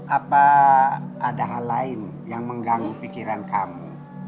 apa ada hal lain yang mengganggu pikiran kamu